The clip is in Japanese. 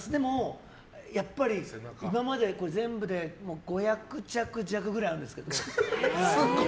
やっぱり今まで全部で５００着弱くらいあるんですけど。